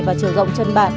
và chiều rộng chân bạn